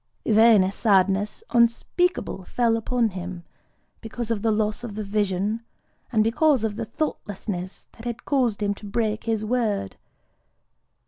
Then a sadness unspeakable fell upon him, because of the loss of the vision, and because of the thoughtlessness that had caused him to break his word.